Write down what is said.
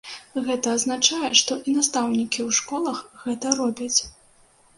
Гэта азначае, што і настаўнікі ў школах гэта робяць.